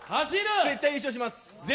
絶対優勝します。